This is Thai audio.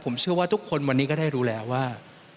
ผมเชื่อว่าทุกคนวันนี้ก็ได้รู้แล้วว่า